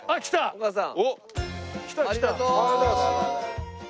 お母さん。